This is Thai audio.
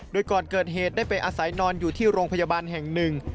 โดยก่อนเกิดเหตุได้ไปอาศัยนอนอยู่ที่โรงพยาบาลแห่งหนึ่ง